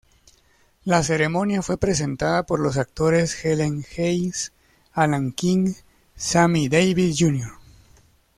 La ceremonia fue presentada por los actores Helen Hayes, Alan King, Sammy Davis, Jr.